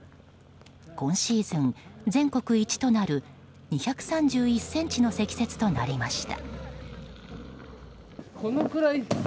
今シーズン全国一となる２３１ｃｍの積雪となりました。